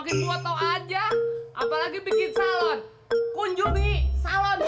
kita hampir kehilangan sisik